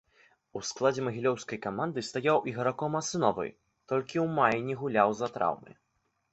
У складзе магілёўскай каманды стаў іграком асновы, толькі ў маі не гуляў з-за траўмы.